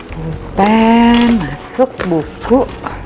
bupen masuk buku